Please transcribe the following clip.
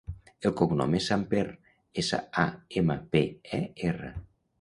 El cognom és Samper: essa, a, ema, pe, e, erra.